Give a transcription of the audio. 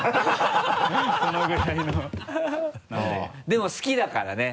でも好きだからね。